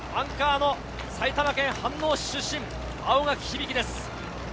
埼玉県飯能市出身、青柿響です。